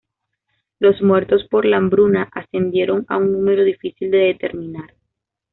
Los muertos por la hambruna ascendieron a un número difícil de determinar.